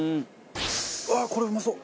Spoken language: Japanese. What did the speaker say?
うわこれうまそう！